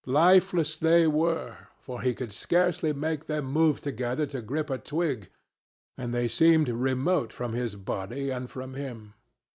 Lifeless they were, for he could scarcely make them move together to grip a twig, and they seemed remote from his body and from him.